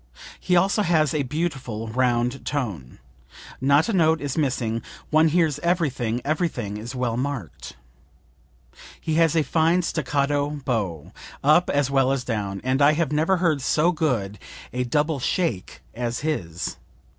He also has a beautiful, round tone, not a note is missing, one hears everything; everything is well marked. He has a fine staccato bow, up as well as down; and I have never heard so good a double shake as his.